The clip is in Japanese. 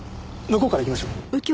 向こうから行きましょう。